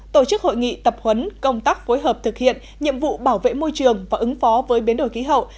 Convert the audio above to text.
tổ chức hội nghị tập huấn công tác phối hợp thực hiện nhiệm vụ bảo vệ môi trường và ứng phó với biến đổi khí hậu